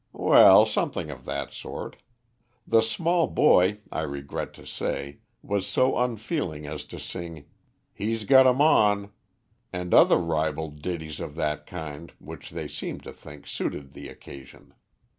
"Well, something of that sort. The small boy, I regret to say, was so unfeeling as to sing 'He's got 'em on,' and other ribald ditties of that kind, which they seemed to think suited the occasion.